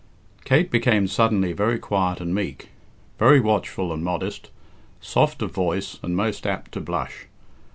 Kate became suddenly very quiet and meek, very watchful and modest, soft of voice and most apt to blush.